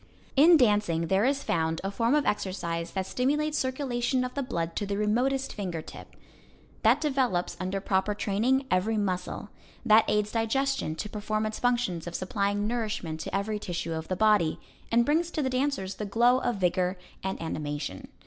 In dancing there is found a form of exercise that stimulates circulation of the blood to the remotest finger tip; that develops, under proper training, every muscle; that aids digestion to perform its functions of supplying nourishment to every tissue of the body, and brings to the dancers the glow of vigor and animation.